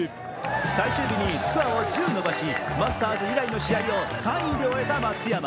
最終日にスコアを１０伸ばしマスターズ以来の試合を３位で終えた松山。